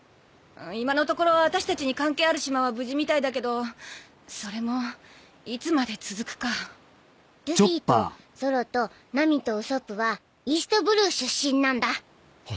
今のところ私たちに関係ある島は無事みたいだけどそれもいつまで続くかルフィとゾロとナミとウソップはイーストブルー出身なんだあ